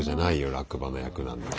落馬の役なんて。